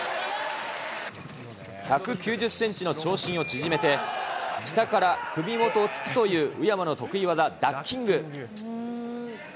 １９０センチの長身を縮めて、下から首元を突くという宇山の得意技、ダッキング。